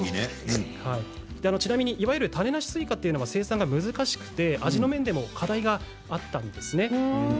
いわれる種なしスイカは生産が難しくて味の面でも課題があったんですね。